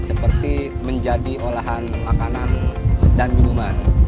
seperti menjadi olahan makanan dan minuman